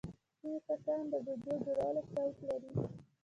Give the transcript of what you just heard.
ځینې کسان د ویډیو جوړولو شوق لري.